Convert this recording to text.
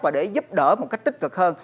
và để giúp đỡ một cách tích cực hơn